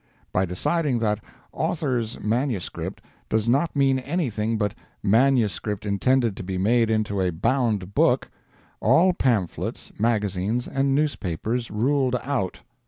By deciding that "author's manuscript" does not mean anything but "manuscript intended to be made into a BOUND BOOK"—all pamphlets, magazines, and newspapers ruled out!